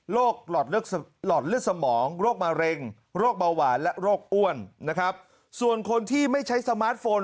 โรคลอดเลื้อดสมองโรคมะเร็งโรคเบาหวานและโรคอ้วนส่วนคนที่ไม่ใช้โรคงาน